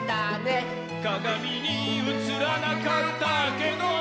「かがみにうつらなかったけど」